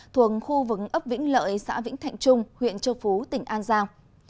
thuồng khu vực ấp vĩnh lợi xã vĩnh thạnh trung huyện châu phú tỉnh an giang